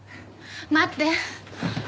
待って。